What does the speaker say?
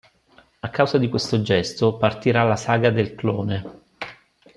A causa di questo gesto partirà la Saga del Clone.